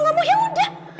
kalau lo gak mau ya udah